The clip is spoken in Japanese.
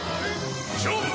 勝負！